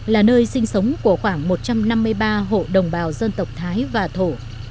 là nơi sinh sống của khoảng một trăm năm mươi ba hộ đồng bào dân tộc thái và thổ